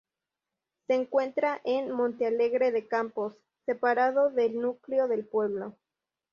Se encuentra en Montealegre de Campos, separado del núcleo del pueblo.